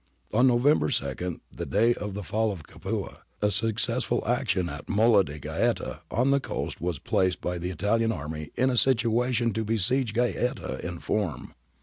On November 2, the day of the fall of Capua, a successful action at Mola di Gaeta on the coast placed the Italian army in a situation to besiege Gaeta in form.